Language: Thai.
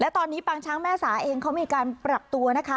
ตอนนี้ปางช้างแม่สาเองเขามีการปรับตัวนะคะ